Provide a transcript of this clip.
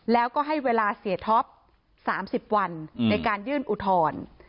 แล้วก็ให้เวลาเสียท็อป๓๐วันในการยื่นอุทธรณ์